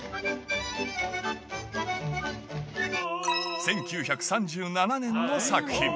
１９３７年の作品。